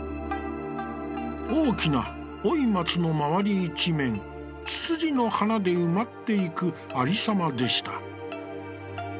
「大きな老松のまわり一面、躑躅の花で埋まっていくありさまでした。